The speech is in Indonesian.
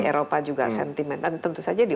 eropa juga sentimen dan tentu saja di